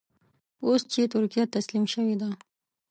اوس چې ترکیه تسليم شوې ده.